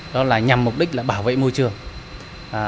đó là nhằm mục đích là bảo vệ môi trường